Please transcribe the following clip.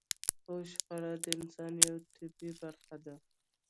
خو شخړه د انسان يوه طبيعي برخه ده.